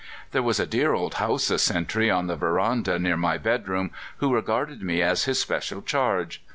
"There was a dear old Hausa sentry on the veranda near my bedroom, who regarded me as his special charge.